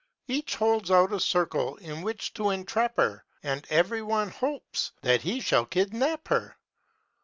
Each holds out a circle in which to entrap her, And ev'ry one hopes that he shall kidnap her.